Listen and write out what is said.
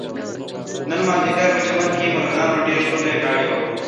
نن مازدیګر په چمن کې مرغانو ډېر ښکلې غاړې وهلې.